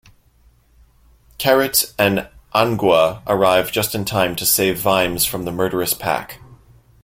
Carrot and Angua arrive just in time to save Vimes from the murderous pack.